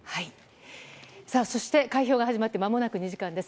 さあ、そして開票が始まってまもなく２時間です。